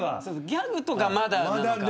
ギャグとかはまだ。